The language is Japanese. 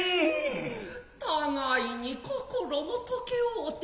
互ひに心もとけ合ふて